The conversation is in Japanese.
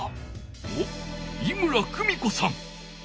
おっ井村久美子さん！